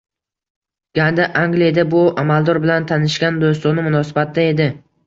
Gandi Angliyada bu amaldor bilan tanishgan, doʻstona munosabatda edi